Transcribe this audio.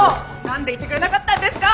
何で言ってくれなかったんですか？